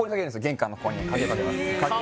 玄関のここに鍵かけますかけます